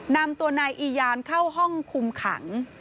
นำตัวนายอียานเข้าห้องคุมขัง